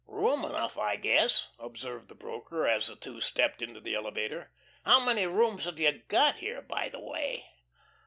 "Room enough, I guess," observed the broker, as the two stepped into the elevator. "How many rooms have you got here, by the way?"